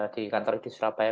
di kantor di surabaya